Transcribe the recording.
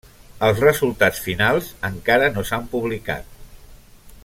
Els resultats finals encara no s'han publicat.